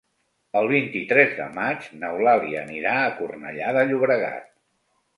El vint-i-tres de maig n'Eulàlia anirà a Cornellà de Llobregat.